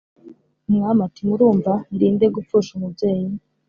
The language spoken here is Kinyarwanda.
umwami ati ‘murumva, ndinde gupfusha umubyeyi?’